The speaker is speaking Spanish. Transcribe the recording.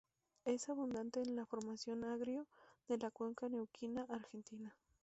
Es abundante en la Formación Agrio, de la Cuenca Neuquina, Argentina.